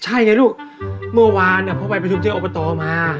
ใช่ไงลูกเมื่อวานพ่อไปไปชุดเจ้าออกตัวมา